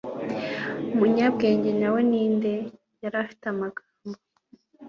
umunyabwenge nyawe ninde? yari afite amagambo